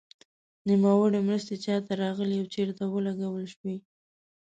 نوموړې مرستې چا ته راغلې او چیرته ولګول شوې.